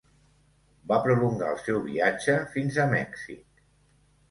Va prolongar el seu viatge fins a Mèxic.